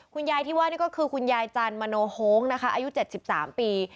คุณยายที่ว่านี่ก็คือคุณยายจันมโนโฮงนะคะอายุ๗๓ปี